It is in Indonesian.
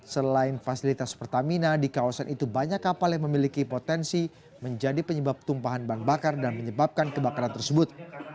selain fasilitas pertamina di kawasan itu banyak kapal yang memiliki potensi menjadi penyebab tumpahan bahan bakar dan menyebabkan kebakaran tersebut